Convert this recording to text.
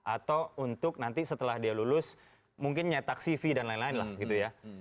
atau untuk nanti setelah dia lulus mungkin nyetak cv dan lain lain lah gitu ya